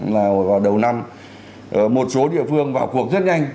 là vào đầu năm một số địa phương vào cuộc rất nhanh